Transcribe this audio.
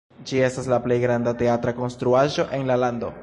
Ĝi estas la plej granda teatra konstruaĵo en la lando.